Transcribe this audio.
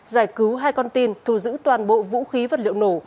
giải cứu hai con tin thu giữ toàn bộ vũ khí vật liệu nổ